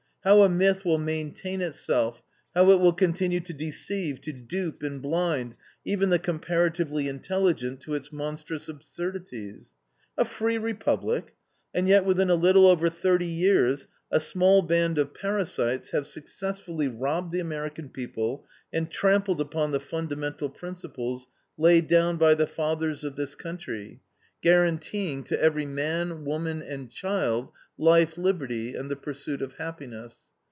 How a myth will maintain itself, how it will continue to deceive, to dupe, and blind even the comparatively intelligent to its monstrous absurdities. A free Republic! And yet within a little over thirty years a small band of parasites have successfully robbed the American people, and trampled upon the fundamental principles, laid down by the fathers of this country, guaranteeing to every man, woman, and child "life, liberty, and the pursuit of happiness."